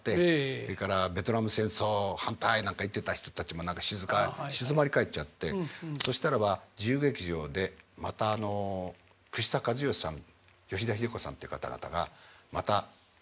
それから「ベトナム戦争反対！」なんか言ってた人たちも静かに静まり返っちゃってそしたらば自由劇場でまた串田和美さん吉田日出子さんって方々がまた芝居を始めるっていう。